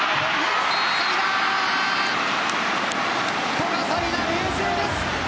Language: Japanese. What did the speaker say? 古賀紗理那、冷静です。